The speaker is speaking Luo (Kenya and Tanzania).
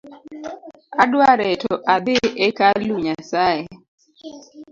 Adwa reto adhii e kalu Nyasae